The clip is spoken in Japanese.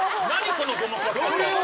このごまかし方。